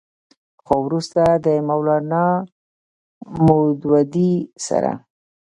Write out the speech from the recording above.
خو وروستو د مولانا مودودي سره